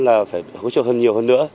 là phải hỗ trợ hơn nhiều hơn nữa